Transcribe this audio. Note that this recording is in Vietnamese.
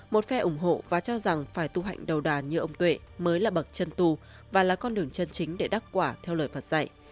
một phe ủng hộ và cho rằng phải tu hạnh đầu đà như ông tuệ mới là bậc chân tu và là con đường chân chính để đắc quả theo lời phật dạy